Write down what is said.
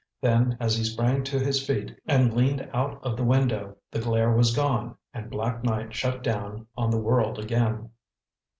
Then as he sprang to his feet and leaned out of the window, the glare was gone and black night shut down on the world again.